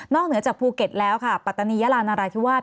เหนือจากภูเก็ตแล้วค่ะปัตตานียาลานราธิวาส